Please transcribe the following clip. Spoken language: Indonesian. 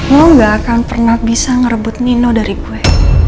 lo gak akan pernah bisa ngerebut nino dari gue